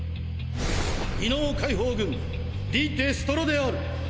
異能解放軍リ・デストロである！